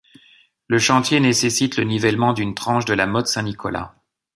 Le chantier nécessite le nivellement d'une tranche de la motte Saint-Nicolas.